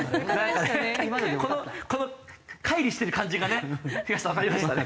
この乖離してる感じがね東さんわかりましたね。